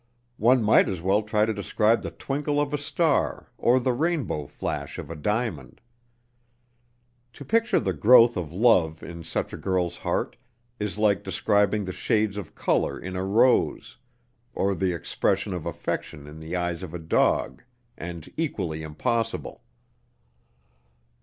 One might as well try to describe the twinkle of a star or the rainbow flash of a diamond. To picture the growth of love in such a girl's heart is like describing the shades of color in a rose, or the expression of affection in the eyes of a dog, and equally impossible.